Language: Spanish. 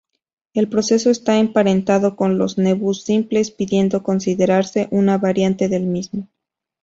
El proceso está emparentado con los nevus simples, pudiendo considerarse una variante del mismo.